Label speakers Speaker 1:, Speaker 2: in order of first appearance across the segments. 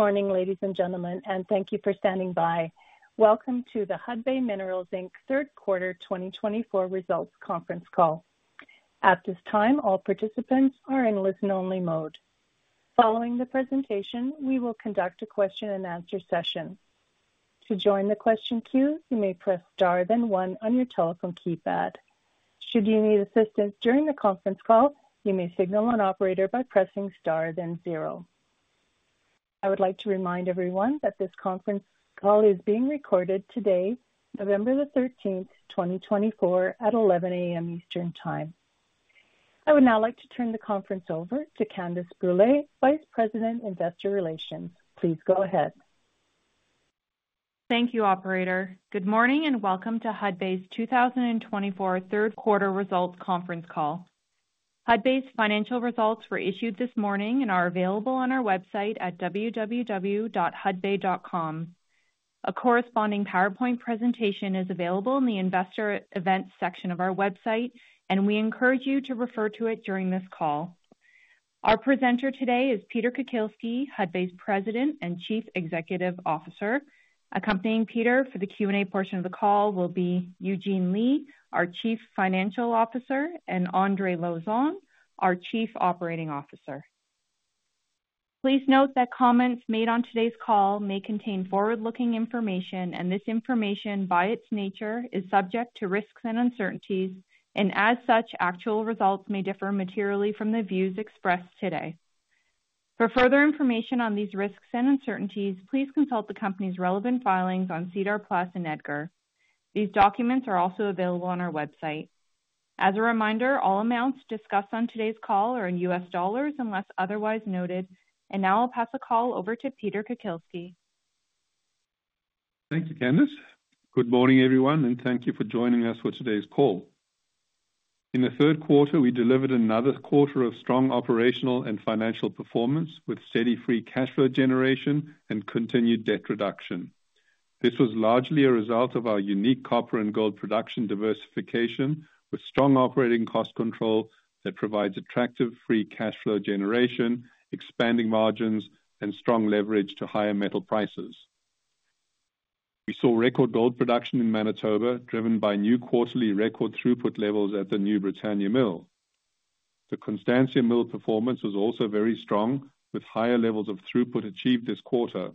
Speaker 1: Good morning, ladies and gentlemen, and thank you for standing by. Welcome to the Hudbay Minerals Inc. Third Quarter 2024 Results conference call. At this time, all participants are in listen-only mode. Following the presentation, we will conduct a question-and-answer session. To join the question queue, you may press star then one on your telephone keypad. Should you need assistance during the conference call, you may signal an operator by pressing star then zero. I would like to remind everyone that this conference call is being recorded today, November the 13th, 2024, at 11:00 A.M. Eastern Time. I would now like to turn the conference over to Candace Brûlé, Vice President, Investor Relations. Please go ahead.
Speaker 2: Thank you, Operator. Good morning and welcome to Hudbay's 2024 Third Quarter Results conference call. Hudbay's financial results were issued this morning and are available on our website at www.hudbay.com. A corresponding PowerPoint presentation is available in the Investor Events section of our website, and we encourage you to refer to it during this call. Our presenter today is Peter Kukielski, Hudbay's President and Chief Executive Officer. Accompanying Peter for the Q&A portion of the call will be Eugene Lei, our Chief Financial Officer, and Andre Lauzon, our Chief Operating Officer. Please note that comments made on today's call may contain forward-looking information, and this information, by its nature, is subject to risks and uncertainties, and as such, actual results may differ materially from the views expressed today. For further information on these risks and uncertainties, please consult the company's relevant filings on SEDAR+ and EDGAR. These documents are also available on our website. As a reminder, all amounts discussed on today's call are in U.S. dollars unless otherwise noted, and now I'll pass the call over to Peter Kukielski.
Speaker 3: Thank you, Candace. Good morning, everyone, and thank you for joining us for today's call. In the third quarter, we delivered another quarter of strong operational and financial performance with steady free cash flow generation and continued debt reduction. This was largely a result of our unique copper and gold production diversification with strong operating cost control that provides attractive free cash flow generation, expanding margins, and strong leverage to higher metal prices. We saw record gold production in Manitoba driven by new quarterly record throughput levels at the New Britannia Mill. The Constancia Mill performance was also very strong, with higher levels of throughput achieved this quarter,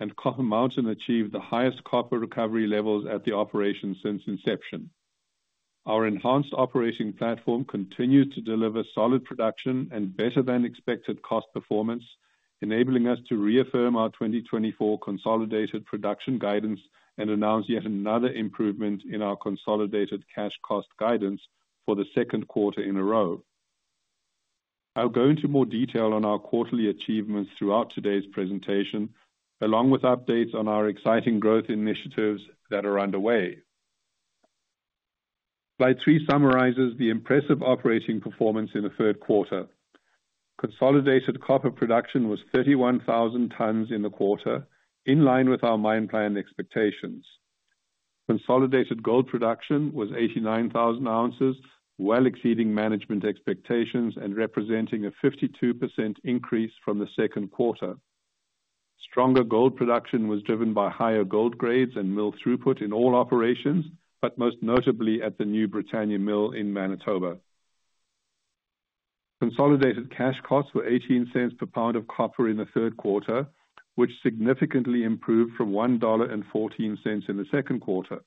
Speaker 3: and Copper Mountain achieved the highest copper recovery levels at the operation since inception. Our enhanced operating platform continues to deliver solid production and better-than-expected cost performance, enabling us to reaffirm our 2024 consolidated production guidance and announce yet another improvement in our consolidated cash cost guidance for the second quarter in a row. I'll go into more detail on our quarterly achievements throughout today's presentation, along with updates on our exciting growth initiatives that are underway. Slide 3 summarizes the impressive operating performance in the third quarter. Consolidated copper production was 31,000 tons in the quarter, in line with our mine-planned expectations. Consolidated gold production was 89,000 ounces, well exceeding management expectations and representing a 52% increase from the second quarter. Stronger gold production was driven by higher gold grades and mill throughput in all operations, but most notably at the New Britannia Mill in Manitoba. Consolidated Cash Costs were $0.18 per pound of copper in the third quarter, which significantly improved from $1.14 in the second quarter.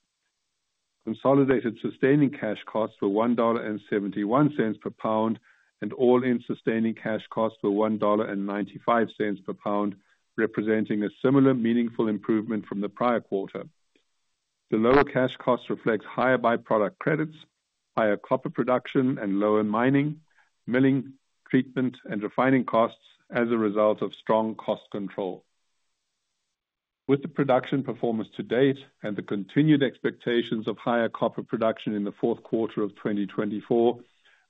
Speaker 3: Consolidated Sustaining Cash Costs were $1.71 per pound, and All-in Sustaining Cash Costs were $1.95 per pound, representing a similar meaningful improvement from the prior quarter. The lower Cash Costs reflect higher byproduct credits, higher copper production, and lower mining, milling, treatment, and refining costs as a result of strong cost control. With the production performance to date and the continued expectations of higher copper production in the fourth quarter of 2024,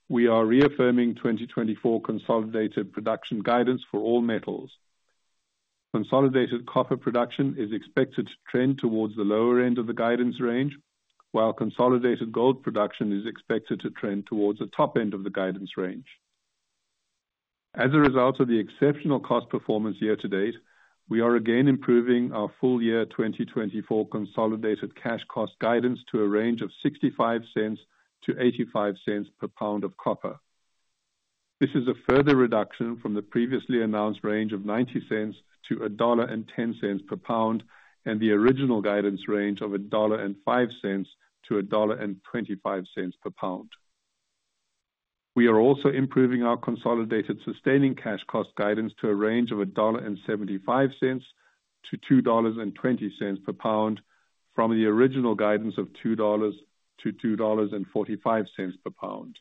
Speaker 3: we are reaffirming 2024 consolidated production guidance for all metals. Consolidated copper production is expected to trend towards the lower end of the guidance range, while consolidated gold production is expected to trend towards the top end of the guidance range. As a result of the exceptional cost performance year to date, we are again improving our full year 2024 consolidated cash cost guidance to a range of $0.65-$0.85 per pound of copper. This is a further reduction from the previously announced range of $0.90-$1.10 per pound and the original guidance range of $1.05-$1.25 per pound. We are also improving our consolidated sustaining cash cost guidance to a range of $1.75-$2.20 per pound from the original guidance of $2.00-$2.45 per pound.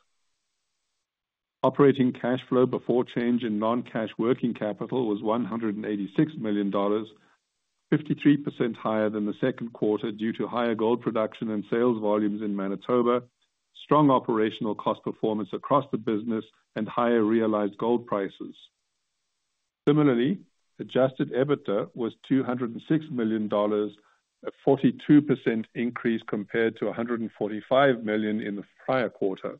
Speaker 3: Operating cash flow before change in non-cash working capital was $186 million, 53% higher than the second quarter due to higher gold production and sales volumes in Manitoba, strong operational cost performance across the business, and higher realized gold prices. Similarly, adjusted EBITDA was $206 million, a 42% increase compared to $145 million in the prior quarter.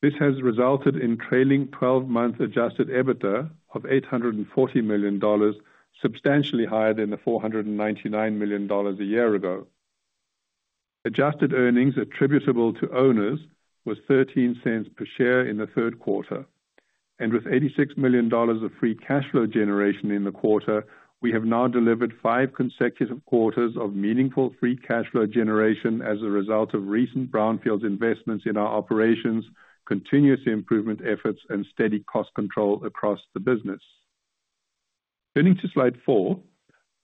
Speaker 3: This has resulted in trailing 12-month adjusted EBITDA of $840 million, substantially higher than the $499 million a year ago. Adjusted earnings attributable to owners was $0.13 per share in the third quarter, and with $86 million of free cash flow generation in the quarter, we have now delivered five consecutive quarters of meaningful free cash flow generation as a result of recent Brownfield investments in our operations, continuous improvement efforts, and steady cost control across the business. Turning to slide 4,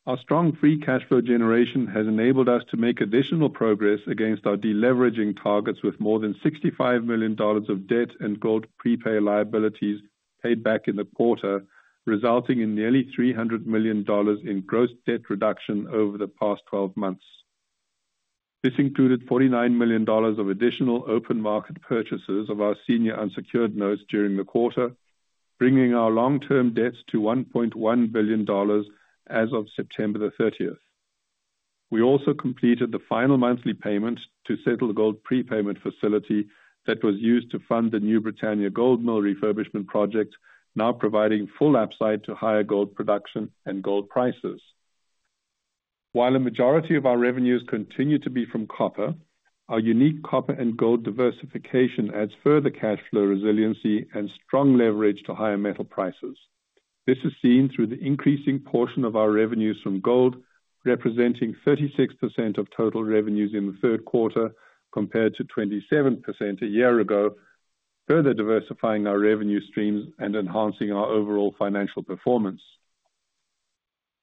Speaker 3: our strong free cash flow generation has enabled us to make additional progress against our deleveraging targets with more than $65 million of debt and gold prepay liabilities paid back in the quarter, resulting in nearly $300 million in gross debt reduction over the past 12 months. This included $49 million of additional open market purchases of our senior unsecured notes during the quarter, bringing our long-term debts to $1.1 billion as of September the 30th. We also completed the final monthly payment to settle the gold prepayment facility that was used to fund the New Britannia Gold Mill refurbishment project, now providing full upside to higher gold production and gold prices. While a majority of our revenues continue to be from copper, our unique copper and gold diversification adds further cash flow resiliency and strong leverage to higher metal prices. This is seen through the increasing portion of our revenues from gold, representing 36% of total revenues in the third quarter compared to 27% a year ago, further diversifying our revenue streams and enhancing our overall financial performance.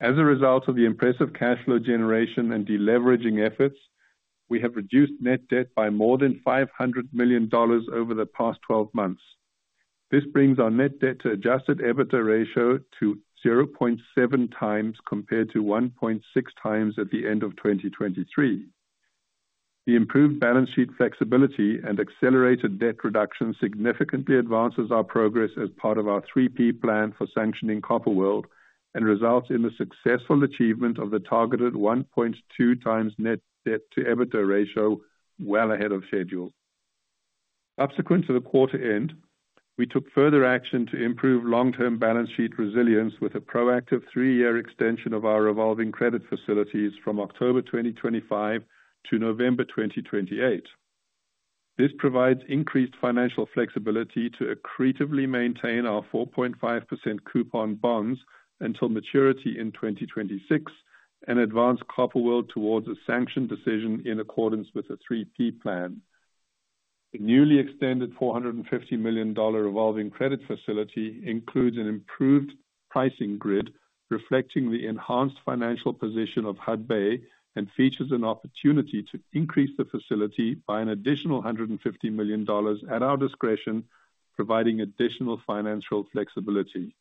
Speaker 3: As a result of the impressive cash flow generation and deleveraging efforts, we have reduced net debt by more than $500 million over the past 12 months. This brings our net debt to adjusted EBITDA ratio to 0.7x compared to 1.6x at the end of 2023. The improved balance sheet flexibility and accelerated debt reduction significantly advances our progress as part of our 3-P Plan for sanctioning Copper World and results in the successful achievement of the targeted 1.2 times net debt to EBITDA ratio, well ahead of schedule. Subsequent to the quarter end, we took further action to improve long-term balance sheet resilience with a proactive three-year extension of our revolving credit facilities from October 2025 to November 2028. This provides increased financial flexibility to accretively maintain our 4.5% coupon bonds until maturity in 2026 and advance Copper World towards a sanctioned decision in accordance with the 3-P Plan. The newly extended $450 million revolving credit facility includes an improved pricing grid reflecting the enhanced financial position of Hudbay and features an opportunity to increase the facility by an additional $150 million at our discretion, providing additional financial flexibility.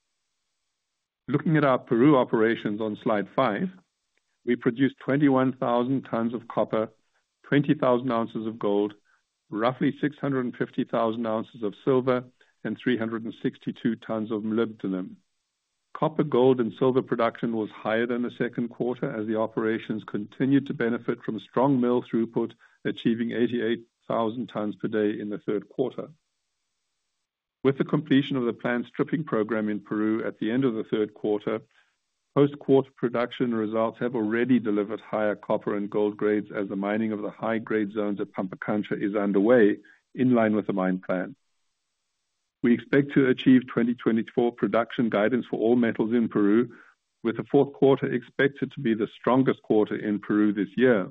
Speaker 3: Looking at our Peru operations on slide 5, we produced 21,000 tons of copper, 20,000 ounces of gold, roughly 650,000 ounces of silver, and 362 tons of molybdenum. Copper, gold, and silver production was higher than the second quarter as the operations continued to benefit from strong mill throughput, achieving 88,000 tons per day in the third quarter. With the completion of the planned stripping program in Peru at the end of the third quarter, post-quarter production results have already delivered higher copper and gold grades as the mining of the high-grade zones at Pampakancha is underway, in line with the mine plan. We expect to achieve 2024 production guidance for all metals in Peru, with the fourth quarter expected to be the strongest quarter in Peru this year.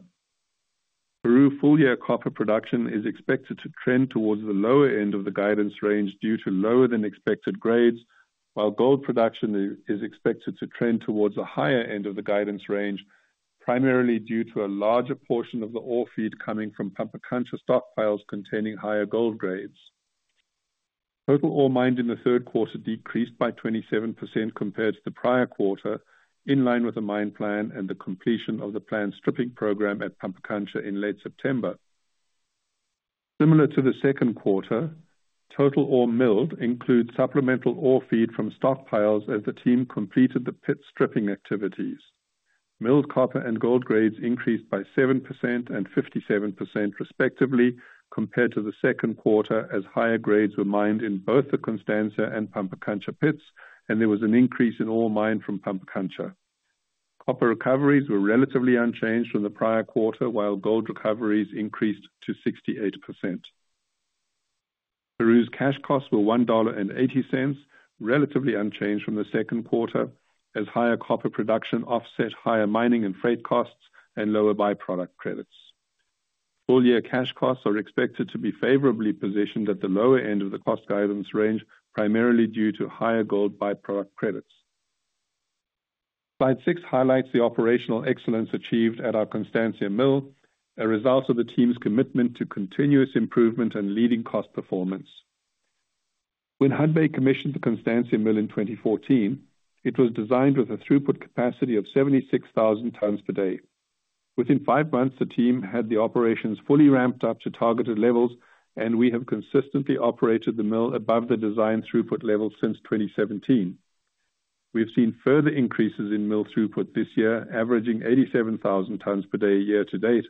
Speaker 3: Peru's full-year copper production is expected to trend towards the lower end of the guidance range due to lower-than-expected grades, while gold production is expected to trend towards the higher end of the guidance range, primarily due to a larger portion of the ore feed coming from Pampakancha stockpiles containing higher gold grades. Total ore mined in the third quarter decreased by 27% compared to the prior quarter, in line with the mine plan and the completion of the planned stripping program at Pampakancha in late September. Similar to the second quarter, total ore milled includes supplemental ore feed from stockpiles as the team completed the pit stripping activities. Milled copper and gold grades increased by 7% and 57% respectively compared to the second quarter as higher grades were mined in both the Constancia and Pampakancha pits, and there was an increase in ore mined from Pampakancha. Copper recoveries were relatively unchanged from the prior quarter, while gold recoveries increased to 68%. Peru's cash costs were $1.80, relatively unchanged from the second quarter, as higher copper production offset higher mining and freight costs and lower byproduct credits. Full-year cash costs are expected to be favorably positioned at the lower end of the cost guidance range, primarily due to higher gold byproduct credits. Slide 6 highlights the operational excellence achieved at our Constancia Mill, a result of the team's commitment to continuous improvement and leading cost performance. When Hudbay commissioned the Constancia Mill in 2014, it was designed with a throughput capacity of 76,000 tons per day. Within five months, the team had the operations fully ramped up to targeted levels, and we have consistently operated the mill above the designed throughput level since 2017. We've seen further increases in mill throughput this year, averaging 87,000 tons per day year to date,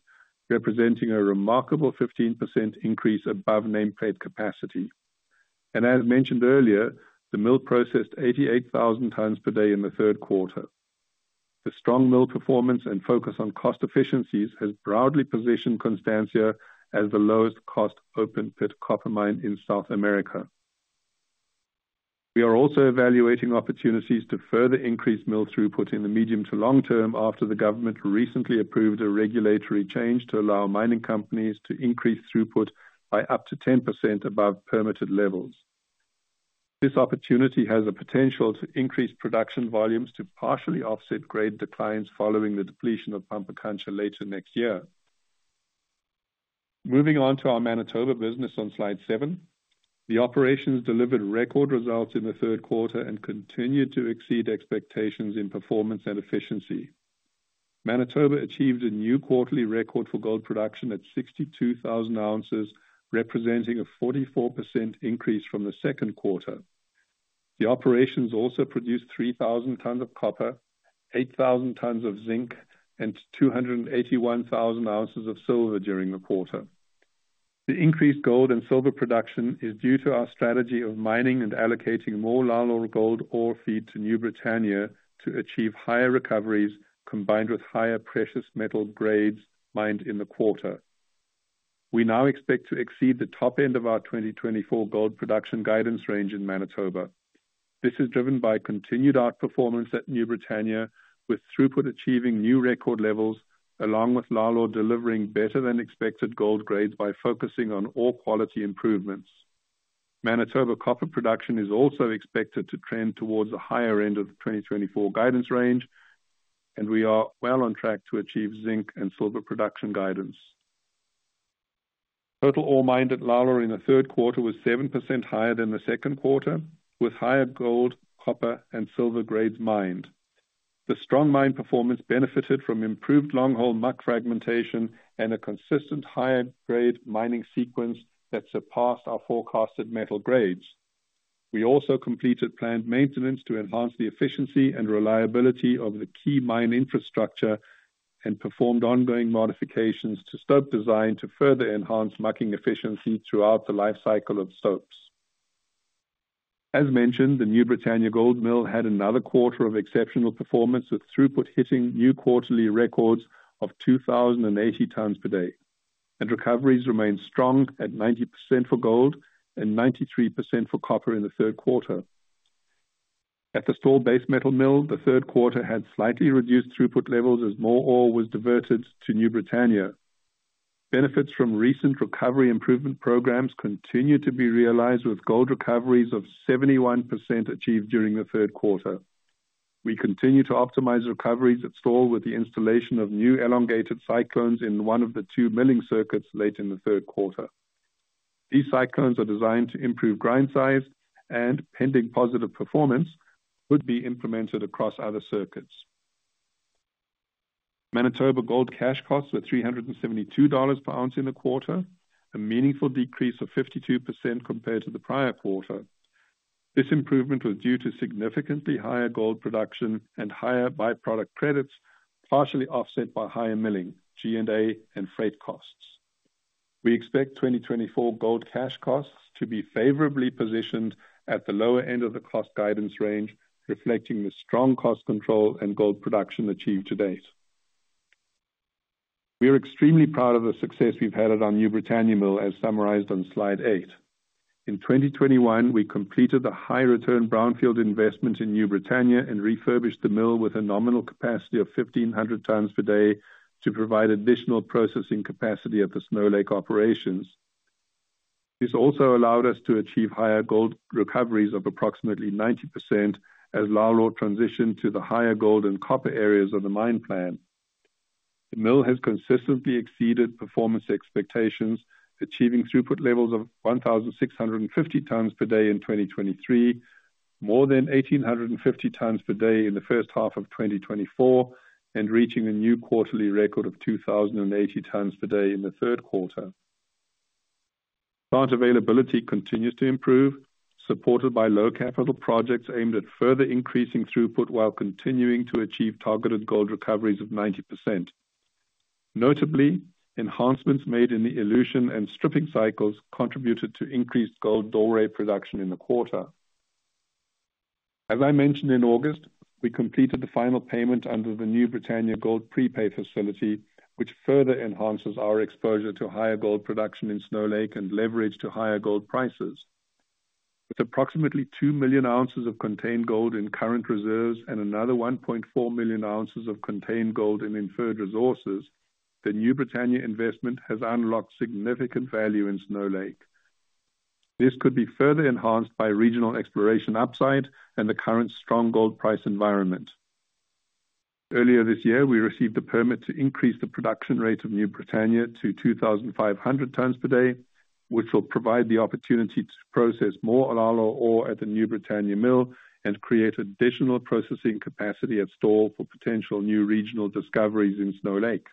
Speaker 3: representing a remarkable 15% increase above nameplate capacity. As mentioned earlier, the mill processed 88,000 tons per day in the third quarter. The strong mill performance and focus on cost efficiencies has proudly positioned Constancia as the lowest cost open pit copper mine in South America. We are also evaluating opportunities to further increase mill throughput in the medium to long term after the government recently approved a regulatory change to allow mining companies to increase throughput by up to 10% above permitted levels. This opportunity has the potential to increase production volumes to partially offset grade declines following the depletion of Pampakancha later next year. Moving on to our Manitoba business on slide 7, the operations delivered record results in the third quarter and continued to exceed expectations in performance and efficiency. Manitoba achieved a new quarterly record for gold production at 62,000 ounces, representing a 44% increase from the second quarter. The operations also produced 3,000 tons of copper, 8,000 tons of zinc, and 281,000 ounces of silver during the quarter. The increased gold and silver production is due to our strategy of mining and allocating more Lalor gold ore feed to New Britannia to achieve higher recoveries combined with higher precious metal grades mined in the quarter. We now expect to exceed the top end of our 2024 gold production guidance range in Manitoba. This is driven by continued outperformance at New Britannia, with throughput achieving new record levels, along with Lalor delivering better than expected gold grades by focusing on ore quality improvements. Manitoba copper production is also expected to trend towards the higher end of the 2024 guidance range, and we are well on track to achieve zinc and silver production guidance. Total ore mined at Lalor in the third quarter was 7% higher than the second quarter, with higher gold, copper, and silver grades mined. The strong mine performance benefited from improved long-haul muck fragmentation and a consistent higher-grade mining sequence that surpassed our forecasted metal grades. We also completed planned maintenance to enhance the efficiency and reliability of the key mine infrastructure and performed ongoing modifications to stope design to further enhance mucking efficiency throughout the life cycle of stopes. As mentioned, the New Britannia Gold Mill had another quarter of exceptional performance, with throughput hitting new quarterly records of 2,080 tons per day, and recoveries remained strong at 90% for gold and 93% for copper in the third quarter. At the Stall Base Metal Mill, the third quarter had slightly reduced throughput levels as more ore was diverted to New Britannia. Benefits from recent recovery improvement programs continue to be realized, with gold recoveries of 71% achieved during the third quarter. We continue to optimize recoveries at Stall with the installation of new elongated cyclones in one of the two milling circuits late in the third quarter. These cyclones are designed to improve grind size, and pending positive performance, could be implemented across other circuits. Manitoba gold cash costs were $372 per ounce in the quarter, a meaningful decrease of 52% compared to the prior quarter. This improvement was due to significantly higher gold production and higher byproduct credits, partially offset by higher milling, G&A, and freight costs. We expect 2024 gold cash costs to be favorably positioned at the lower end of the cost guidance range, reflecting the strong cost control and gold production achieved to date. We are extremely proud of the success we've had at our New Britannia Mill, as summarized on slide 8. In 2021, we completed the high-return brownfield investment in New Britannia and refurbished the mill with a nominal capacity of 1,500 tons per day to provide additional processing capacity at the Snow Lake operations. This also allowed us to achieve higher gold recoveries of approximately 90% as Lalor transitioned to the higher gold and copper areas of the mine plan. The mill has consistently exceeded performance expectations, achieving throughput levels of 1,650 tons per day in 2023, more than 1,850 tons per day in the first half of 2024, and reaching a new quarterly record of 2,080 tons per day in the third quarter. Plant availability continues to improve, supported by low-capital projects aimed at further increasing throughput while continuing to achieve targeted gold recoveries of 90%. Notably, enhancements made in the elution and stripping cycles contributed to increased gold doré production in the quarter. As I mentioned in August, we completed the final payment under the New Britannia Gold Prepay facility, which further enhances our exposure to higher gold production in Snow Lake and leverage to higher gold prices. With approximately 2 million ounces of contained gold in current reserves and another 1.4 million ounces of contained gold in inferred resources, the New Britannia investment has unlocked significant value in Snow Lake. This could be further enhanced by regional exploration upside and the current strong gold price environment. Earlier this year, we received a permit to increase the production rate of New Britannia to 2,500 tons per day, which will provide the opportunity to process more Lalor ore at the New Britannia Mill and create additional processing capacity at Stall for potential new regional discoveries in Snow Lake.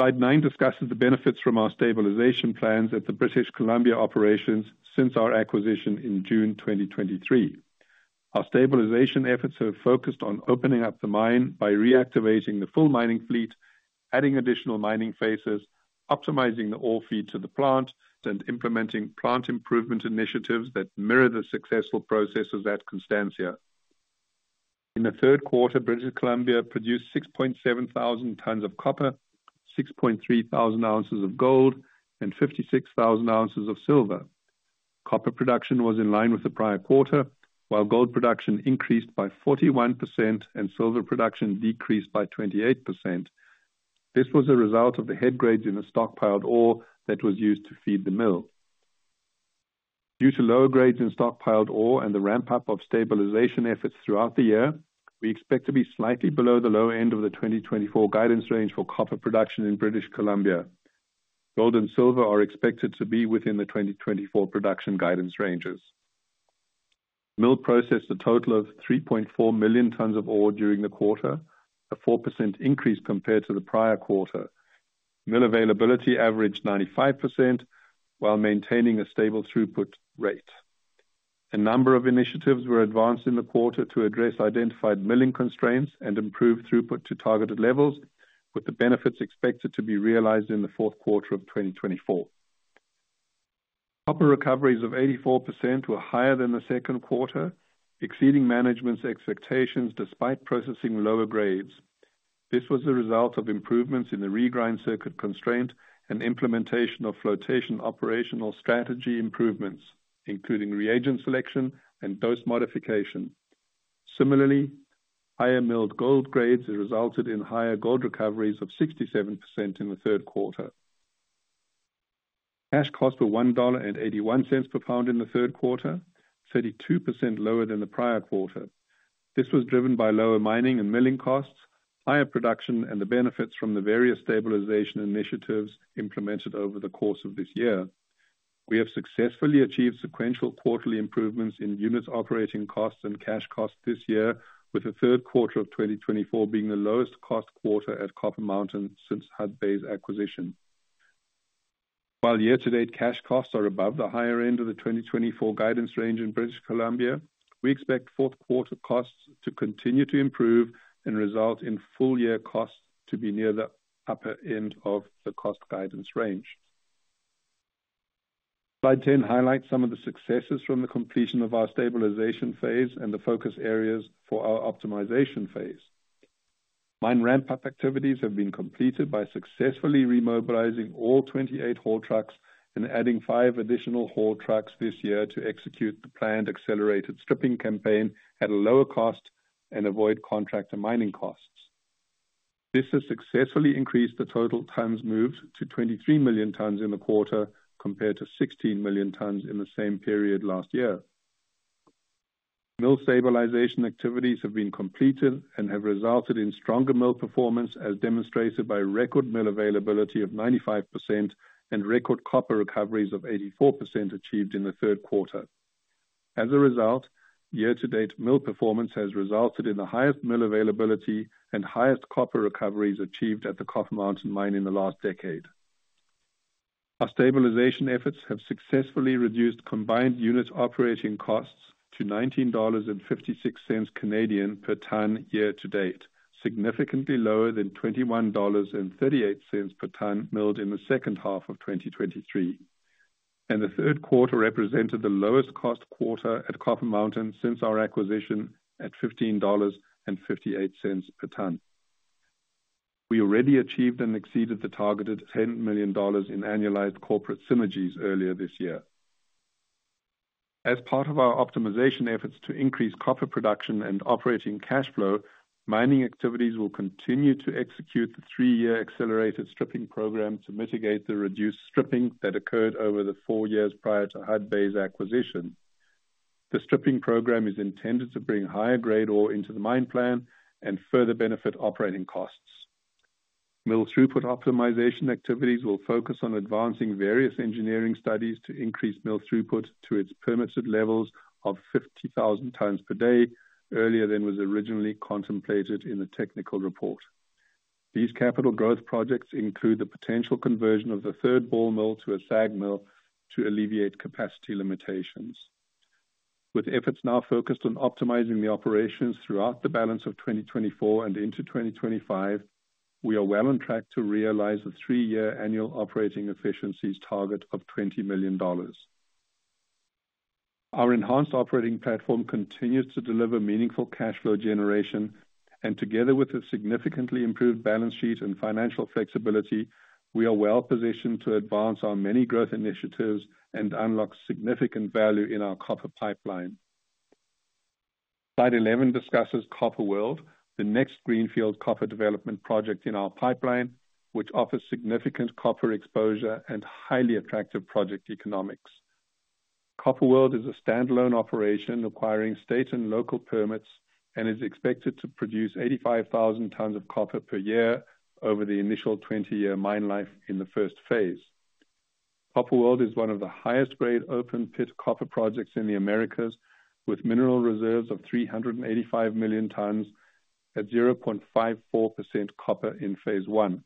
Speaker 3: Slide 9 discusses the benefits from our stabilization plans at the British Columbia operations since our acquisition in June 2023. Our stabilization efforts have focused on opening up the mine by reactivating the full mining fleet, adding additional mining phases, optimizing the ore feed to the plant, and implementing plant improvement initiatives that mirror the successful processes at Constancia. In the third quarter, British Columbia produced 6,700 tons of copper, 6,300 ounces of gold, and 56,000 ounces of silver. Copper production was in line with the prior quarter, while gold production increased by 41% and silver production decreased by 28%. This was a result of the head grades in the stockpiled ore that was used to feed the mill. Due to lower grades in stockpiled ore and the ramp-up of stabilization efforts throughout the year, we expect to be slightly below the low end of the 2024 guidance range for copper production in British Columbia. Gold and silver are expected to be within the 2024 production guidance ranges. The mill processed a total of 3.4 million tons of ore during the quarter, a 4% increase compared to the prior quarter. Mill availability averaged 95% while maintaining a stable throughput rate. A number of initiatives were advanced in the quarter to address identified milling constraints and improve throughput to targeted levels, with the benefits expected to be realized in the fourth quarter of 2024. Copper recoveries of 84% were higher than the second quarter, exceeding management's expectations despite processing lower grades. This was the result of improvements in the regrind circuit constraint and implementation of flotation operational strategy improvements, including reagent selection and dose modification. Similarly, higher milled gold grades resulted in higher gold recoveries of 67% in the third quarter. Cash costs were $1.81 per pound in the third quarter, 32% lower than the prior quarter. This was driven by lower mining and milling costs, higher production, and the benefits from the various stabilization initiatives implemented over the course of this year. We have successfully achieved sequential quarterly improvements in units operating costs and cash costs this year, with the third quarter of 2024 being the lowest cost quarter at Copper Mountain since Hudbay's acquisition. While year-to-date cash costs are above the higher end of the 2024 guidance range in British Columbia, we expect fourth quarter costs to continue to improve and result in full-year costs to be near the upper end of the cost guidance range. Slide 10 highlights some of the successes from the completion of our stabilization phase and the focus areas for our optimization phase. Mine ramp-up activities have been completed by successfully remobilizing all 28 haul trucks and adding five additional haul trucks this year to execute the planned accelerated stripping campaign at a lower cost and avoid contractor mining costs. This has successfully increased the total tons moved to 23 million tons in the quarter compared to 16 million tons in the same period last year. Mill stabilization activities have been completed and have resulted in stronger mill performance, as demonstrated by record mill availability of 95% and record copper recoveries of 84% achieved in the third quarter. As a result, year-to-date mill performance has resulted in the highest mill availability and highest copper recoveries achieved at the Copper Mountain mine in the last decade. Our stabilization efforts have successfully reduced combined units operating costs to 19.56 Canadian dollars per ton year to date, significantly lower than $21.38 per ton milled in the second half of 2023. And the third quarter represented the lowest cost quarter at Copper Mountain since our acquisition at $15.58 per ton. We already achieved and exceeded the targeted $10 million in annualized corporate synergies earlier this year. As part of our optimization efforts to increase copper production and operating cash flow, mining activities will continue to execute the three-year accelerated stripping program to mitigate the reduced stripping that occurred over the four years prior to Hudbay's acquisition. The stripping program is intended to bring higher-grade ore into the mine plan and further benefit operating costs. Mill throughput optimization activities will focus on advancing various engineering studies to increase mill throughput to its permitted levels of 50,000 tons per day earlier than was originally contemplated in the technical report. These capital growth projects include the potential conversion of the third ball mill to a SAG mill to alleviate capacity limitations. With efforts now focused on optimizing the operations throughout the balance of 2024 and into 2025, we are well on track to realize the three-year annual operating efficiencies target of $20 million. Our enhanced operating platform continues to deliver meaningful cash flow generation, and together with a significantly improved balance sheet and financial flexibility, we are well positioned to advance our many growth initiatives and unlock significant value in our copper pipeline. Slide 11 discusses Copper World, the next greenfield copper development project in our pipeline, which offers significant copper exposure and highly attractive project economics. Copper World is a standalone operation requiring state and local permits and is expected to produce 85,000 tons of copper per year over the initial 20-year mine life in the first phase. Copper World is one of the highest-grade open-pit copper projects in the Americas, with mineral reserves of 385 million tons at 0.54% copper in phase one.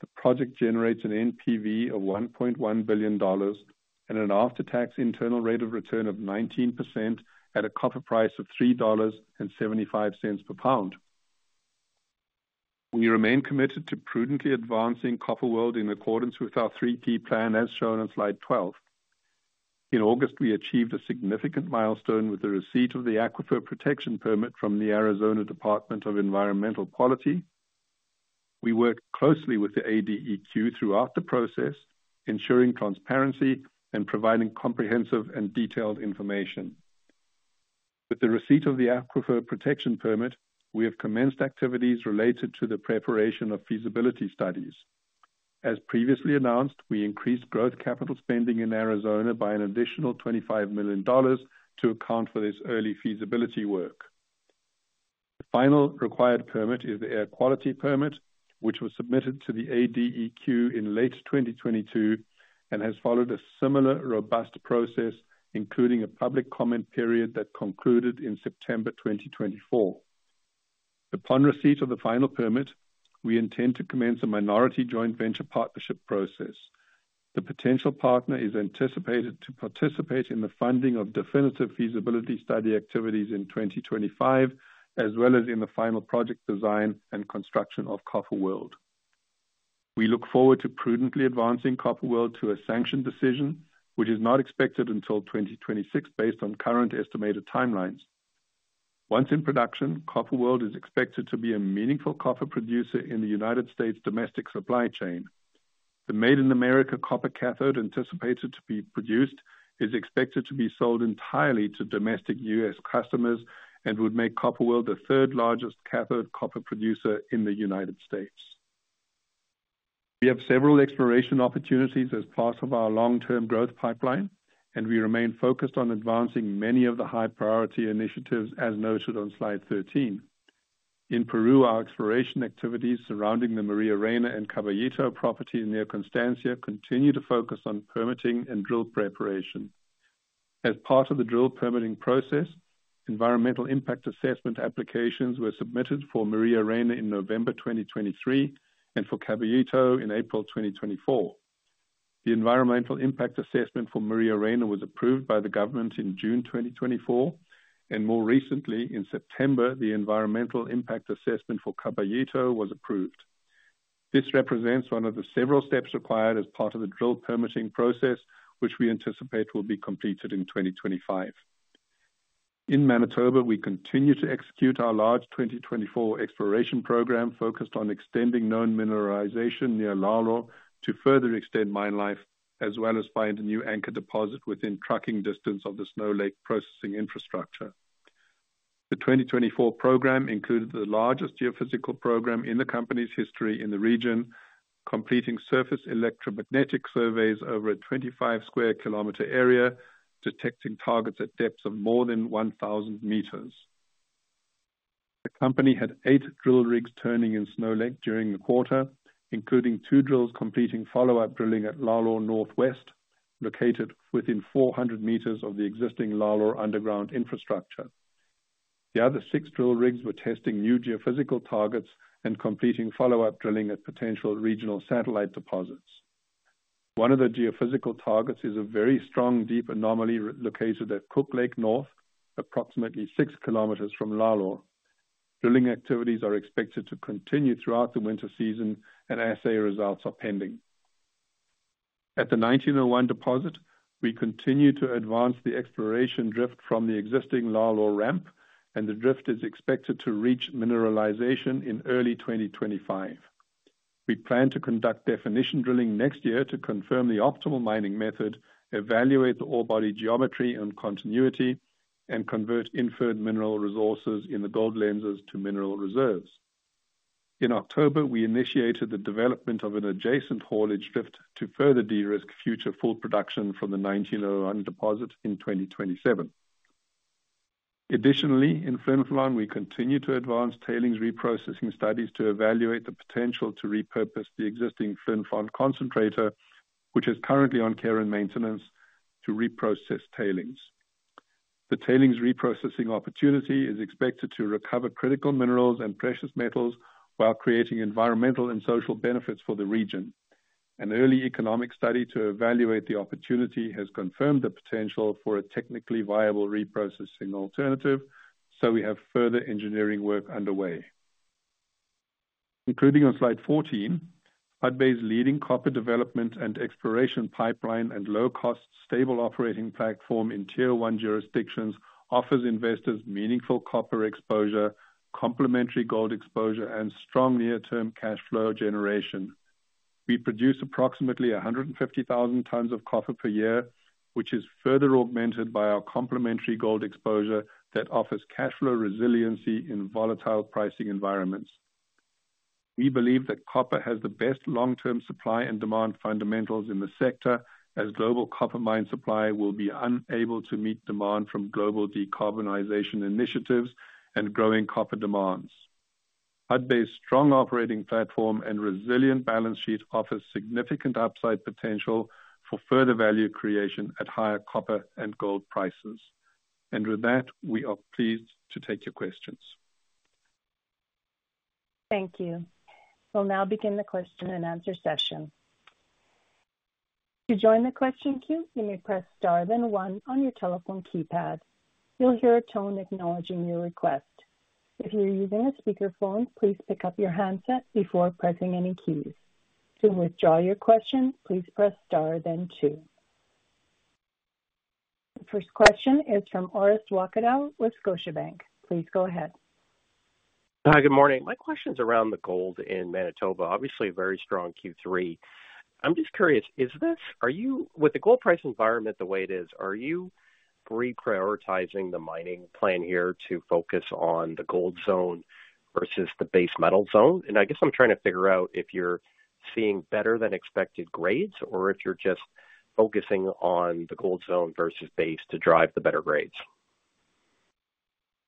Speaker 3: The project generates an NPV of $1.1 billion and an after-tax internal rate of return of 19% at a copper price of $3.75 per pound. We remain committed to prudently advancing Copper World in accordance with our 3-P plan, as shown on slide 12. In August, we achieved a significant milestone with the receipt of the Aquifer Protection Permit from the Arizona Department of Environmental Quality. We worked closely with the ADEQ throughout the process, ensuring transparency and providing comprehensive and detailed information. With the receipt of the Aquifer Protection Permit, we have commenced activities related to the preparation of feasibility studies. As previously announced, we increased growth capital spending in Arizona by an additional $25 million to account for this early feasibility work. The final required permit is the Air Quality Permit, which was submitted to the ADEQ in late 2022 and has followed a similar robust process, including a public comment period that concluded in September 2024. Upon receipt of the final permit, we intend to commence a minority joint venture partnership process. The potential partner is anticipated to participate in the funding of definitive feasibility study activities in 2025, as well as in the final project design and construction of Copper World. We look forward to prudently advancing Copper World to a sanctioned decision, which is not expected until 2026 based on current estimated timelines. Once in production, Copper World is expected to be a meaningful copper producer in the United States domestic supply chain. The made-in-America copper cathode anticipated to be produced is expected to be sold entirely to domestic U.S. customers and would make Copper World the third largest cathode copper producer in the United States. We have several exploration opportunities as part of our long-term growth pipeline, and we remain focused on advancing many of the high-priority initiatives as noted on slide 13. In Peru, our exploration activities surrounding the Maria Reyna and Caballito property near Constancia continue to focus on permitting and drill preparation. As part of the drill permitting process, environmental impact assessment applications were submitted for Maria Reyna in November 2023 and for Caballito in April 2024. The environmental impact assessment for Maria Reyna was approved by the government in June 2024, and more recently, in September, the environmental impact assessment for Caballito was approved. This represents one of the several steps required as part of the drill permitting process, which we anticipate will be completed in 2025. In Manitoba, we continue to execute our large 2024 exploration program focused on extending known mineralization near Lalor to further extend mine life, as well as find a new anchor deposit within trucking distance of the Snow Lake processing infrastructure. The 2024 program included the largest geophysical program in the company's history in the region, completing surface electromagnetic surveys over a 25 sq km area, detecting targets at depths of more than 1,000m. The company had eight drill rigs turning in Snow Lake during the quarter, including two drills completing follow-up drilling at Lalor Northwest, located within 400m of the existing Lalor underground infrastructure. The other six drill rigs were testing new geophysical targets and completing follow-up drilling at potential regional satellite deposits. One of the geophysical targets is a very strong deep anomaly located at Cook Lake North, approximately 6 kilometers from Lalor. Drilling activities are expected to continue throughout the winter season, and assay results are pending. At the 1901 deposit, we continue to advance the exploration drift from the existing Lalor ramp, and the drift is expected to reach mineralization in early 2025. We plan to conduct definition drilling next year to confirm the optimal mining method, evaluate the ore body geometry and continuity, and convert inferred mineral resources in the gold lenses to mineral reserves. In October, we initiated the development of an adjacent haulage drift to further de-risk future full production from the 1901 deposit in 2027. Additionally, in Flin Flon, we continue to advance tailings reprocessing studies to evaluate the potential to repurpose the existing Flin Flon concentrator, which is currently on care and maintenance, to reprocess tailings. The tailings reprocessing opportunity is expected to recover critical minerals and precious metals while creating environmental and social benefits for the region. An early economic study to evaluate the opportunity has confirmed the potential for a technically viable reprocessing alternative, so we have further engineering work underway. Including on slide 14, Hudbay's leading copper development and exploration pipeline and low-cost stable operating platform in tier-one jurisdictions offers investors meaningful copper exposure, complementary gold exposure, and strong near-term cash flow generation. We produce approximately 150,000 tons of copper per year, which is further augmented by our complementary gold exposure that offers cash flow resiliency in volatile pricing environments. We believe that copper has the best long-term supply and demand fundamentals in the sector, as global copper mine supply will be unable to meet demand from global decarbonization initiatives and growing copper demands. Hudbay's strong operating platform and resilient balance sheet offer significant upside potential for further value creation at higher copper and gold prices. And with that, we are pleased to take your questions. Thank you. We'll now begin the question and answer session.
Speaker 1: To join the question queue, you may press star then one on your telephone keypad. You'll hear a tone acknowledging your request. If you're using a speakerphone, please pick up your handset before pressing any keys. To withdraw your question, please press star then two. The first question is from Orest Wowkodaw with Scotiabank. Please go ahead.
Speaker 4: Hi, good morning. My question's around the gold in Manitoba, obviously a very strong Q3. I'm just curious, is this—are you, with the gold price environment the way it is, are you reprioritizing the mining plan here to focus on the gold zone versus the base metal zone? And I guess I'm trying to figure out if you're seeing better-than-expected grades or if you're just focusing on the gold zone versus base to drive the better grades.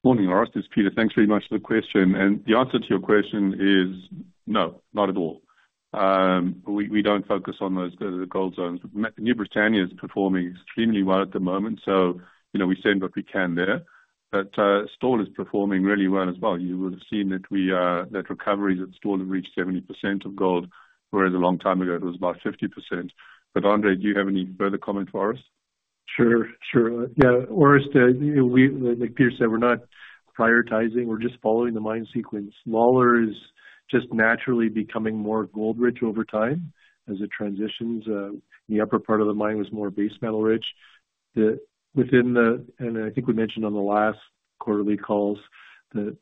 Speaker 3: Morning, Orest. This is Peter. Thanks very much for the question. The answer to your question is no, not at all. We don't focus on those gold zones. New Britannia is performing extremely well at the moment, so we send what we can there. But Stall is performing really well as well. You will have seen that recoveries at Stall have reached 70% of gold, whereas a long time ago it was about 50%. But, Andre, do you have any further comment for us?
Speaker 5: Sure, sure. Yeah, Orest, like Peter said, we're not prioritizing. We're just following the mine sequence. Lalor is just naturally becoming more gold-rich over time as it transitions. The upper part of the mine was more base metal-rich. Within the, and I think we mentioned on the last quarterly calls, the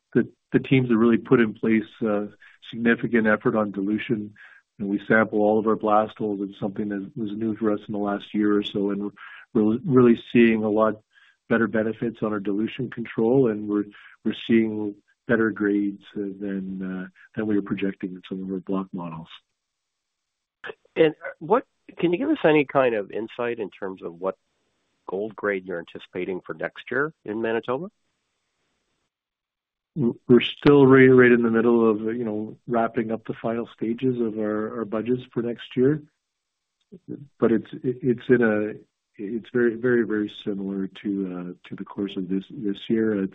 Speaker 5: teams have really put in place significant effort on dilution. And we sample all of our blast holes. It's something that was new for us in the last year or so, and we're really seeing a lot better benefits on our dilution control, and we're seeing better grades than we were projecting in some of our block models. And can you give us any kind of insight in terms of what gold grade you're anticipating for next year in Manitoba? We're still right in the middle of wrapping up the final stages of our budgets for next year. But it's very, very similar to the course of this year.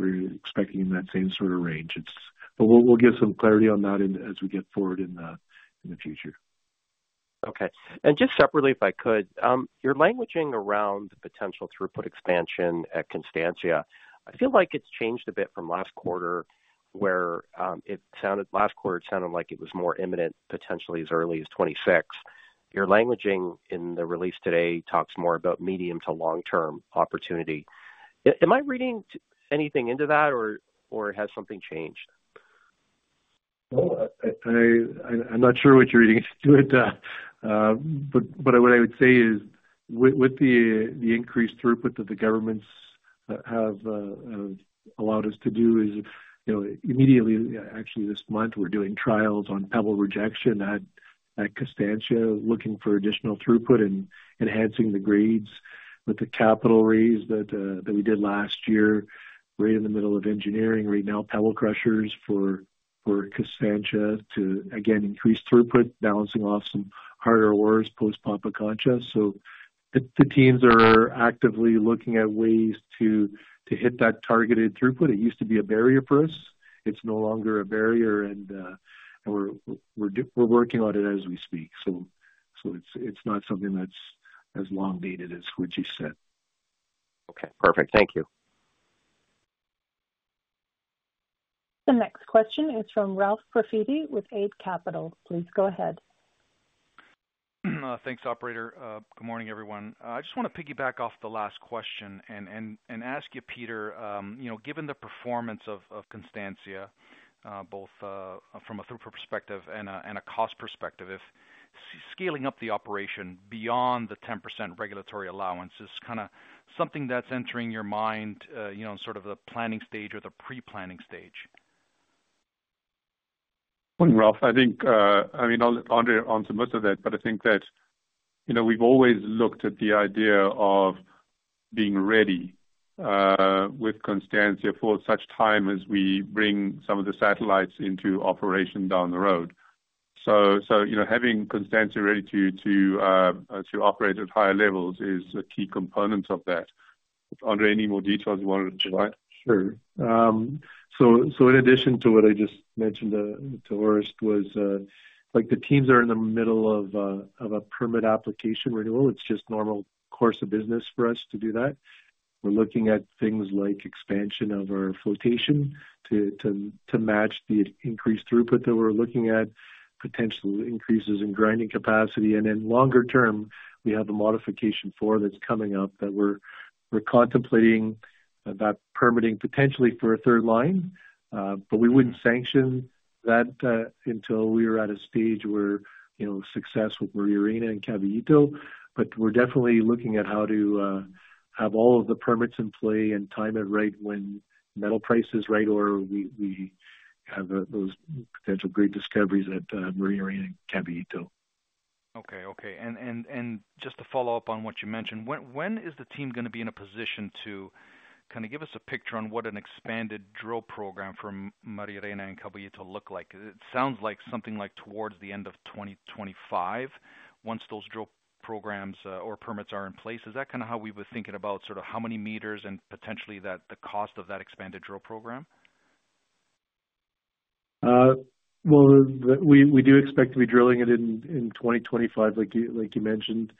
Speaker 5: We're expecting that same sort of range. But we'll give some clarity on that as we get forward in the future.
Speaker 4: Okay. And just separately, if I could, your languaging around the potential throughput expansion at Constancia, I feel like it's changed a bit from last quarter, where it sounded last quarter it sounded like it was more imminent, potentially as early as 2026. Your languaging in the release today talks more about medium to long-term opportunity. Am I reading anything into that, or has something changed?
Speaker 5: No, I'm not sure what you're reading into it. But what I would say is, with the increased throughput that the governments have allowed us to do, is immediately, actually this month, we're doing trials on pebble rejection at Constancia, looking for additional throughput and enhancing the grades with the capital raise that we did last year. We're in the middle of engineering right now, pebble crushers for Constancia to, again, increase throughput, balancing off some harder ores post-Pampakancha. So the teams are actively looking at ways to hit that targeted throughput. It used to be a barrier for us. It's no longer a barrier, and we're working on it as we speak. So it's not something that's as long-dated as what you said.
Speaker 4: Okay, perfect. Thank you.
Speaker 1: The next question is from Ralph Profiti with Eight Capital. Please go ahead.
Speaker 6: Thanks, Operator. Good morning, everyone. I just want to piggyback off the last question and ask you, Peter, given the performance of Constancia, both from a throughput perspective and a cost perspective, if scaling up the operation beyond the 10% regulatory allowance is kind of something that's entering your mind in sort of the planning stage or the pre-planning stage?
Speaker 3: Morning, Ralph. I mean, Andre answered most of that, but I think that we've always looked at the idea of being ready with Constancia for such time as we bring some of the satellites into operation down the road. So having Constancia ready to operate at higher levels is a key component of that. Andre, any more details you wanted to provide?
Speaker 5: Sure. So in addition to what I just mentioned to Orest, the teams are in the middle of a permit application renewal. It's just normal course of business for us to do that. We're looking at things like expansion of our flotation to match the increased throughput that we're looking at, potential increases in grinding capacity. And then longer term, we have a modification four that's coming up that we're contemplating about permitting potentially for a third line. But we wouldn't sanction that until we were at a stage where success with Maria Reyna and Caballito. But we're definitely looking at how to have all of the permits in play and time it right when metal prices right or we have those potential great discoveries at Maria Reyna and Caballito.
Speaker 6: Okay, okay. And just to follow up on what you mentioned, when is the team going to be in a position to kind of give us a picture on what an expanded drill program for Maria Reyna and Caballito look like? It sounds like something like towards the end of 2025, once those drill programs or permits are in place. Is that kind of how we were thinking about sort of how many meters and potentially the cost of that expanded drill program?
Speaker 3: Well, we do expect to be drilling it in 2025, like you mentioned.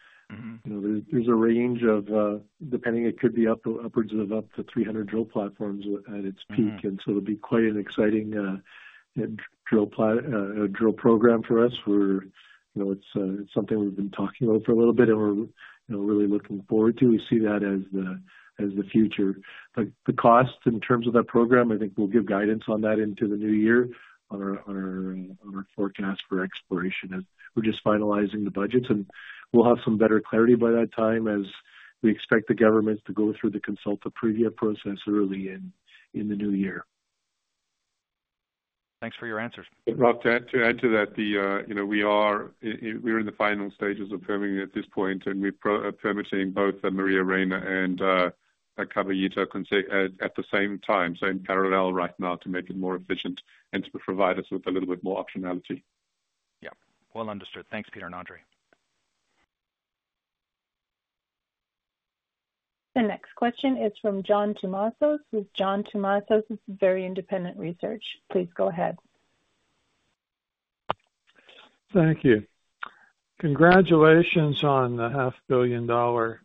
Speaker 3: There's a range of, depending, it could be upwards of up to 300 drill platforms at its peak. And so it'll be quite an exciting drill program for us. It's something we've been talking about for a little bit and we're really looking forward to. We see that as the future. But the cost in terms of that program, I think we'll give guidance on that into the new year on our forecast for exploration. We're just finalizing the budgets, and we'll have some better clarity by that time as we expect the governments to go through the consult preview process early in the new year.
Speaker 6: Thanks for your answers.
Speaker 3: Ralph, to add to that, we are in the final stages of permitting at this point, and we're permitting both Maria Reyna and Caballito at the same time, same parallel right now to make it more efficient and to provide us with a little bit more optionality.
Speaker 6: Yeah. Well understood. Thanks, Peter and Andre.
Speaker 1: The next question is from John Tumazos. John Tumazos Very Independent Research. Please go ahead.
Speaker 7: Thank you. Congratulations on the $500 million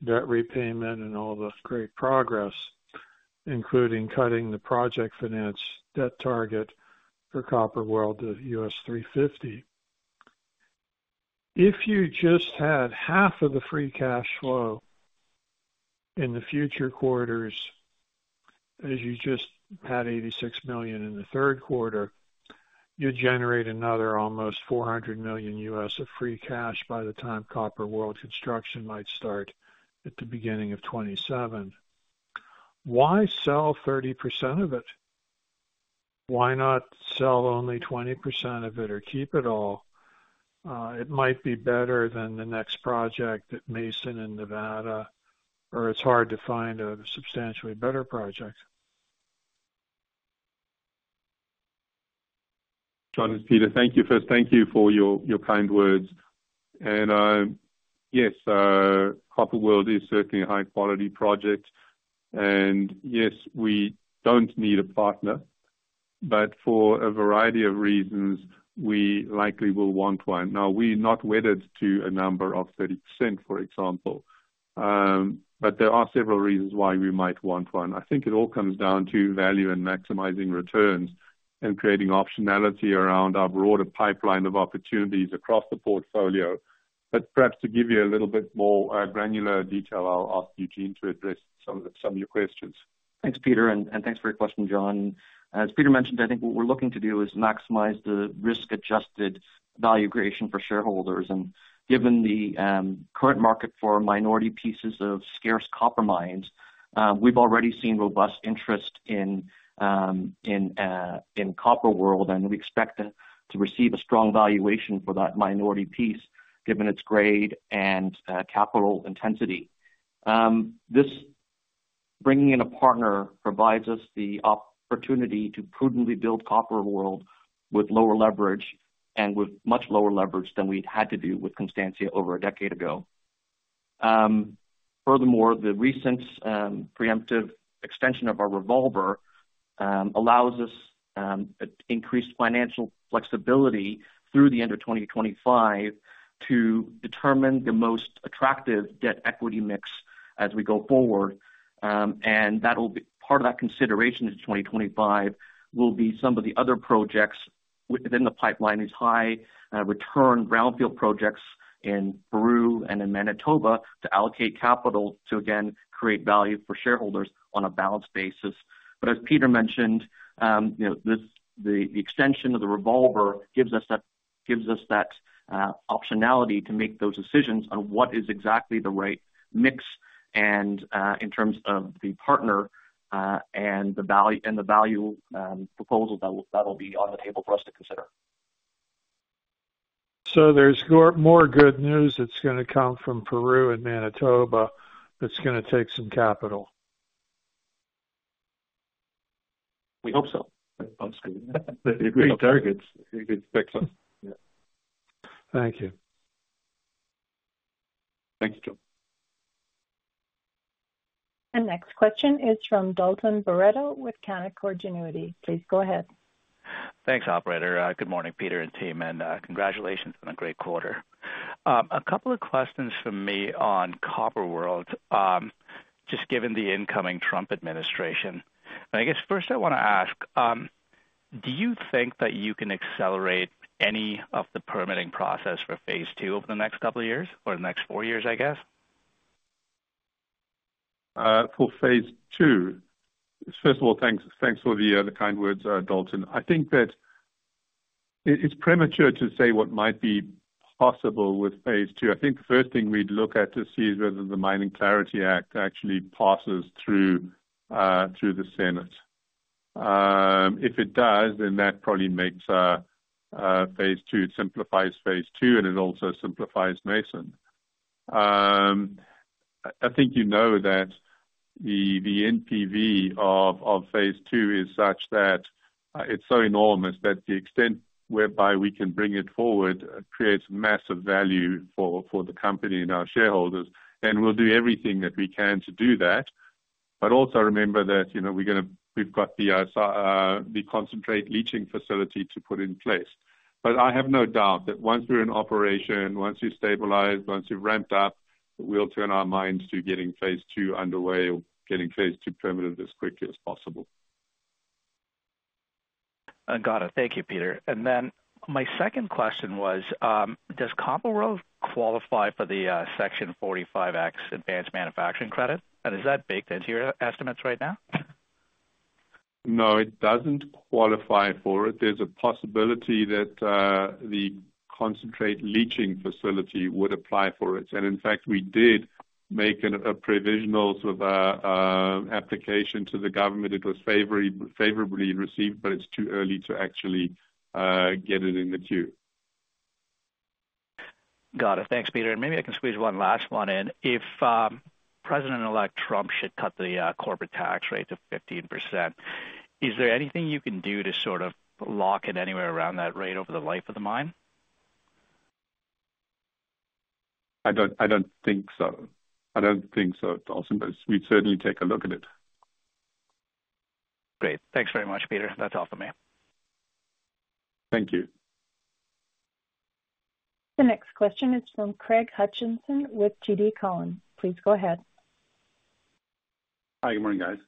Speaker 7: debt repayment and all the great progress, including cutting the project finance debt target for Copper World to $350 million. If you just had half of the free cash flow in the future quarters, as you just had $86 million in the third quarter, you'd generate another almost $400 million of free cash by the time Copper World construction might start at the beginning of 2027. Why sell 30% of it? Why not sell only 20% of it or keep it all? It might be better than the next project at Mason in Nevada, or it's hard to find a substantially better project.
Speaker 8: John and Peter, thank you. First, thank you for your kind words, and yes, Copper World is certainly a high-quality project, and yes, we don't need a partner, but for a variety of reasons, we likely will want one. Now, we're not wedded to a number of 30%, for example, but there are several reasons why we might want one. I think it all comes down to value and maximizing returns and creating optionality around our broader pipeline of opportunities across the portfolio, but perhaps to give you a little bit more granular detail, I'll ask Eugene to address some of your questions.
Speaker 5: Thanks, Peter, and thanks for your question, John. As Peter mentioned, I think what we're looking to do is maximize the risk-adjusted value creation for shareholders, and given the current market for minority pieces of scarce copper mines, we've already seen robust interest in Copper World, and we expect to receive a strong valuation for that minority piece given its grade and capital intensity. This, bringing in a partner, provides us the opportunity to prudently build Copper World with lower leverage and with much lower leverage than we had to do with Constancia over a decade ago. Furthermore, the recent preemptive extension of our revolver allows us increased financial flexibility through the end of 2025 to determine the most attractive debt equity mix as we go forward. And part of that consideration in 2025 will be some of the other projects within the pipeline, these high-return brownfield projects in Peru and in Manitoba to allocate capital to, again, create value for shareholders on a balanced basis. But as Peter mentioned, the extension of the revolver gives us that optionality to make those decisions on what is exactly the right mix in terms of the partner and the value proposal that will be on the table for us to consider.
Speaker 7: So there's more good news that's going to come from Peru and Manitoba that's going to take some capital.
Speaker 3: We hope so. That's good. Great targets. Excellent.
Speaker 7: Thank you.
Speaker 3: Thank you, Joe.
Speaker 1: The next question is from Dalton Baretto with Canaccord Genuity. Please go ahead.
Speaker 9: Thanks, Operator. Good morning, Peter and team, and congratulations on a great quarter. A couple of questions for me on Copper World, just given the incoming Trump administration. I guess first I want to ask, do you think that you can accelerate any of the permitting process for phase two over the next couple of years or the next four years, I guess?
Speaker 3: For phase two, first of all, thanks for the kind words, Dalton. I think that it's premature to say what might be possible with phase two. I think the first thing we'd look at to see is whether the Mining Clarity Act actually passes through the Senate. If it does, then that probably makes phase two, it simplifies phase two, and it also simplifies Mason. I think you know that the NPV of phase two is such that it's so enormous that the extent whereby we can bring it forward creates massive value for the company and our shareholders. And we'll do everything that we can to do that, but also remember that we've got the concentrate leaching facility to put in place. But I have no doubt that once we're in operation, once we've stabilized, once we've ramped up, we'll turn our minds to getting phase two underway, getting phase two permitted as quickly as possible.
Speaker 9: Got it. Thank you, Peter. And then my second question was, does Copper World qualify for the Section 45X advanced manufacturing credit? And is that baked into your estimates right now?
Speaker 3: No, it doesn't qualify for it. There's a possibility that the concentrate leaching facility would apply for it. And in fact, we did make a provisional sort of application to the government. It was favorably received, but it's too early to actually get it in the queue.
Speaker 9: Got it. Thanks, Peter. And maybe I can squeeze one last one in. If President-elect Trump should cut the corporate tax rate to 15%, is there anything you can do to sort of lock it anywhere around that rate over the life of the mine?
Speaker 3: I don't think so. I don't think so, Dalton, but we'd certainly take a look at it.
Speaker 4: Great. Thanks very much, Peter. That's all for me.
Speaker 3: Thank you.
Speaker 1: The next question is from Craig Hutchison with TD Cowen. Please go ahead.
Speaker 10: Hi, good morning, guys.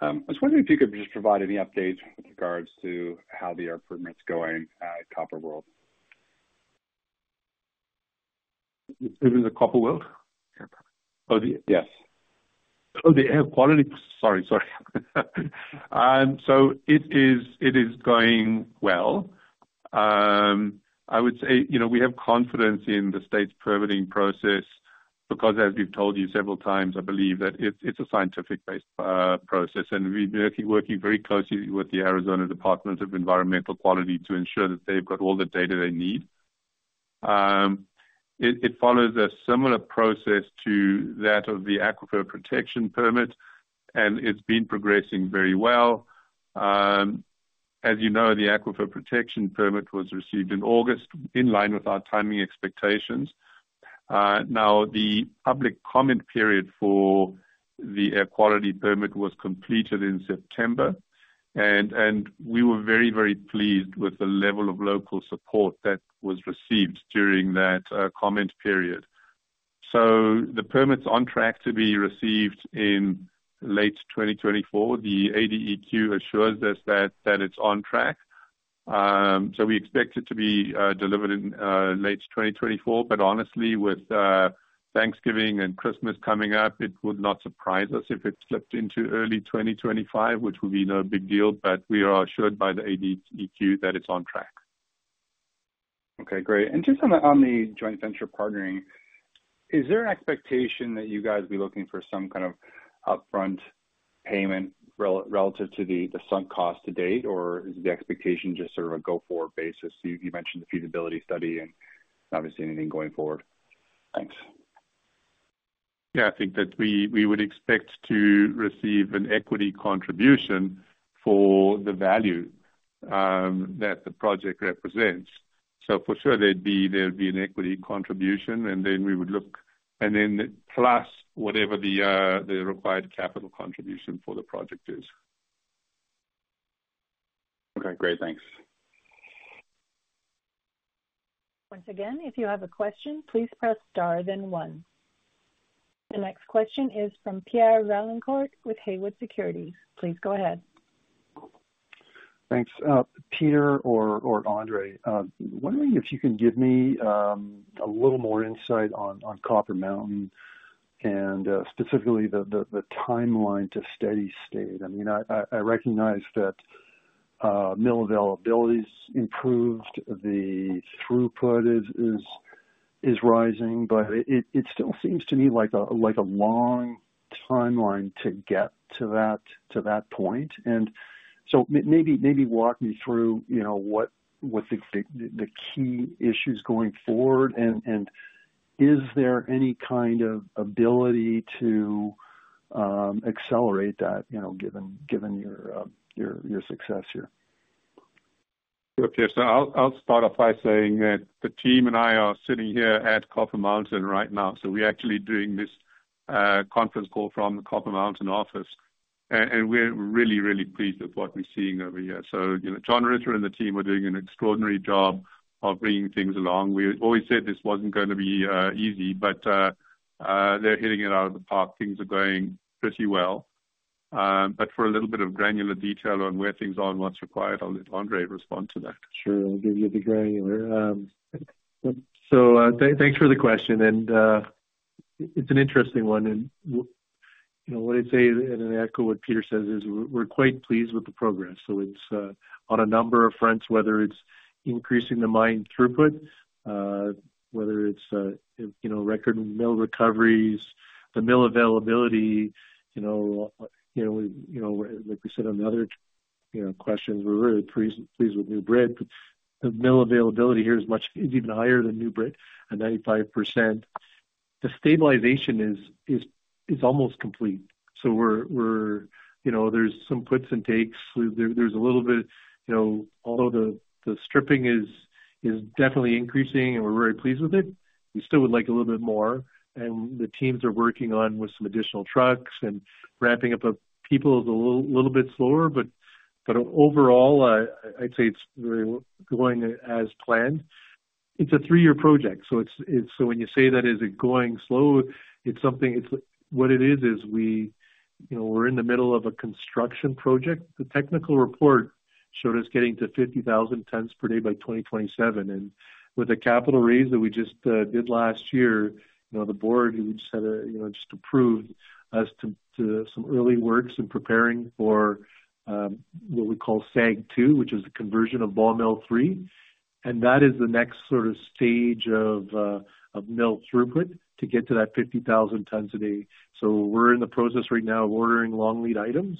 Speaker 10: I was wondering if you could just provide any updates with regards to how the permitting's going at Copper World.
Speaker 3: Permitting at Copper World?
Speaker 10: Yes.
Speaker 3: Oh, the air quality? Sorry, sorry. So it is going well. I would say we have confidence in the state's permitting process because, as we've told you several times, I believe that it's a scientific-based process. We've been working very closely with the Arizona Department of Environmental Quality to ensure that they've got all the data they need. It follows a similar process to that of the Aquifer Protection Permit, and it's been progressing very well. As you know, the aquifer protection permit was received in August in line with our timing expectations. Now, the public comment period for the Air Quality Permit was completed in September, and we were very, very pleased with the level of local support that was received during that comment period. So the permit's on track to be received in late 2024. The ADEQ assures us that it's on track. So we expect it to be delivered in late 2024. But honestly, with Thanksgiving and Christmas coming up, it would not surprise us if it slipped into early 2025, which would be no big deal, but we are assured by the ADEQ that it's on track.
Speaker 10: Okay, great. And just on the joint venture partnering, is there an expectation that you guys will be looking for some kind of upfront payment relative to the sunk cost to date, or is the expectation just sort of a go-forward basis? You mentioned the feasibility study and obviously anything going forward. Thanks.
Speaker 3: Yeah, I think that we would expect to receive an equity contribution for the value that the project represents. So for sure, there'd be an equity contribution, and then we would look, and then plus whatever the required capital contribution for the project is.
Speaker 10: Okay, great. Thanks.
Speaker 1: Once again, if you have a question, please press star, then one. The next question is from Pierre Vaillancourt with Haywood Securities. Please go ahead.
Speaker 11: Thanks. Peter or Andre, wondering if you can give me a little more insight on Copper Mountain and specifically the timeline to steady state. I mean, I recognize that mill availability's improved, the throughput is rising, but it still seems to me like a long timeline to get to that point, and so maybe walk me through what the key issues going forward, and is there any kind of ability to accelerate that given your success here?
Speaker 3: So I'll start off by saying that the team and I are sitting here at Copper Mountain right now. So we're actually doing this conference call from the Copper Mountain office, and we're really, really pleased with what we're seeing over here. So John Ritter and the team are doing an extraordinary job of bringing things along. We always said this wasn't going to be easy, but they're hitting it out of the park. Things are going pretty well. But for a little bit of granular detail on where things are and what's required, I'll let Andre respond to that.
Speaker 5: Sure. I'll give you the granular. So thanks for the question. And it's an interesting one. And what I'd say in an echo of what Peter says is we're quite pleased with the progress. So it's on a number of fronts, whether it's increasing the mine throughput, whether it's record mill recoveries, the mill availability. Like we said on the other questions, we're really pleased with New Britannia. The mill availability here is even higher than New Britannia, 95%. The stabilization is almost complete. So there's some puts and takes. There's a little bit, although the stripping is definitely increasing and we're very pleased with it, we still would like a little bit more. And the teams are working on with some additional trucks and ramping up people a little bit slower. But overall, I'd say it's going as planned. It's a three-year project. So when you say that it's going slow, what it is, is we're in the middle of a construction project. The technical report showed us getting to 50,000 tons per day by 2027. And with the capital raise that we just did last year, the board just approved us to some early works in preparing for what we call SAG 2, which is the conversion of Ball Mill 3. And that is the next sort of stage of mill throughput to get to that 50,000 tons a day. So we're in the process right now of ordering long lead items,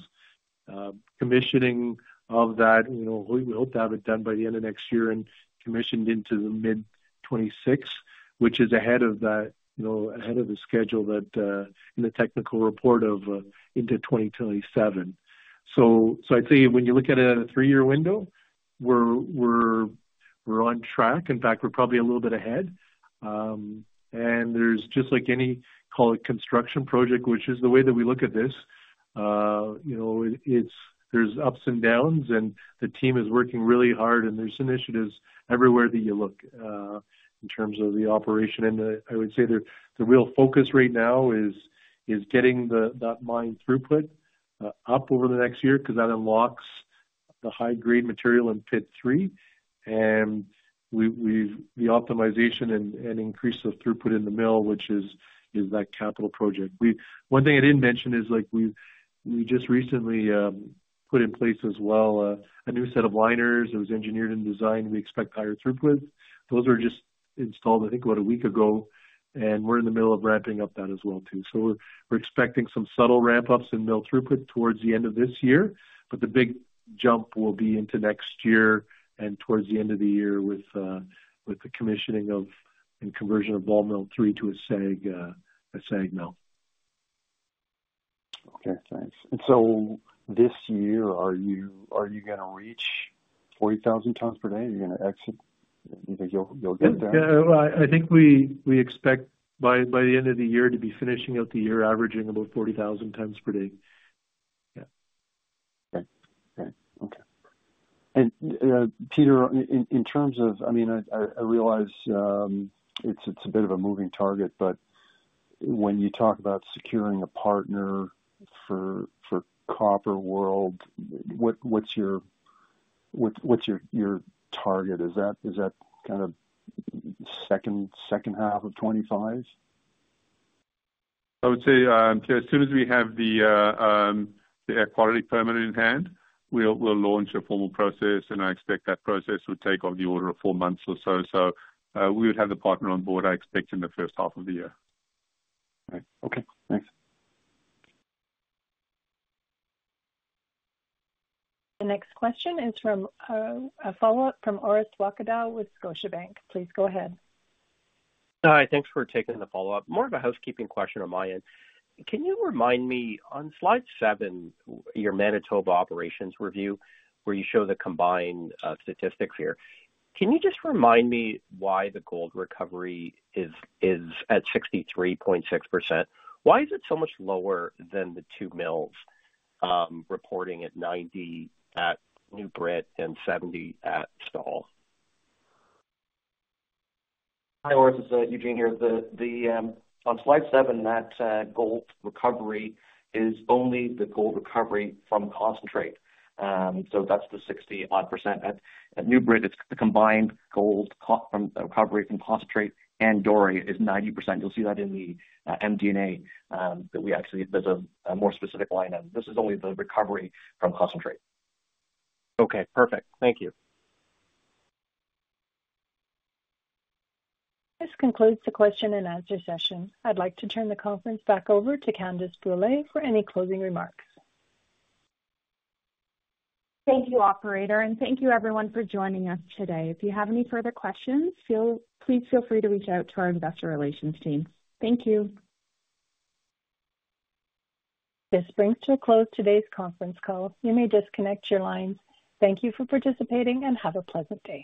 Speaker 5: commissioning of that. We hope to have it done by the end of next year and commissioned into the mid-2026, which is ahead of the schedule in the technical report or into 2027. So I'd say when you look at it at a three-year window, we're on track. In fact, we're probably a little bit ahead. And there's just like any construction project, which is the way that we look at this, there's ups and downs, and the team is working really hard, and there's initiatives everywhere that you look in terms of the operation. And I would say the real focus right now is getting that mine throughput up over the next year because that unlocks the high-grade material in Pit 3. And the optimization and increase of throughput in the mill, which is that capital project. One thing I didn't mention is we just recently put in place as well a new set of liners that was engineered and designed. We expect higher throughput. Those were just installed, I think, about a week ago, and we're in the middle of ramping up that as well, too. So we're expecting some subtle ramp-ups in mill throughput towards the end of this year, but the big jump will be into next year and towards the end of the year with the commissioning and conversion of Ball Mill 3 to a SAG mill.
Speaker 11: Okay. Thanks. And so this year, are you going to reach 40,000 tons per day? Are you going to exit? Do you think you'll get there?
Speaker 5: I think we expect by the end of the year to be finishing out the year averaging about 40,000 tons per day.
Speaker 11: Yeah. Okay. Okay. Peter, in terms of, I mean, I realize it's a bit of a moving target, but when you talk about securing a partner for Copper World, what's your target? Is that kind of second half of 2025?
Speaker 3: I would say as soon as we have the air quality permit in hand, we'll launch a formal process, and I expect that process would take on the order of four months or so. So we would have the partner on board, I expect, in the first half of the year.
Speaker 11: Okay. Thanks.
Speaker 1: The next question is from a follow-up from Orest Wowkodaw with Scotiabank. Please go ahead.
Speaker 4: Hi. Thanks for taking the follow-up. More of a housekeeping question on my end. Can you remind me on slide seven, your Manitoba operations review, where you show the combined statistics here? Can you just remind me why the gold recovery is at 63.6%? Why is it so much lower than the two mills reporting at 90% at New Britannia and 70% at Stall?
Speaker 3: Hi, Orest. It's Eugene here. On slide seven, that gold recovery is only the gold recovery from concentrate. So that's the 60-odd %. At New Britannia, it's the combined gold recovery from concentrate and Doré is 90%. You'll see that in the MD&A that we actually have as a more specific line of. This is only the recovery from concentrate.
Speaker 4: Okay. Perfect. Thank you.
Speaker 1: This concludes the question and answer session. I'd like to turn the conference back over to Candace Brûlé for any closing remarks.
Speaker 2: Thank you, Operator, and thank you, everyone, for joining us today. If you have any further questions, please feel free to reach out to our investor relations team. Thank you.
Speaker 1: This brings to a close today's conference call. You may disconnect your lines. Thank you for participating and have a pleasant day.